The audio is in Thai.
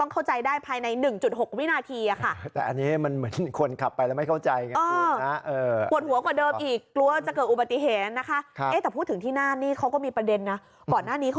กับป้ายยึกป้ายแปลกอีก